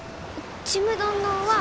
ちむどんどんは。